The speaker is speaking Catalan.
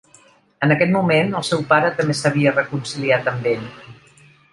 En aquest moment, el seu pare també s'havia reconciliat amb ell.